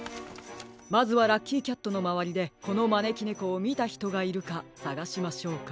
まずはラッキーキャットのまわりでこのまねきねこをみたひとがいるかさがしましょうか。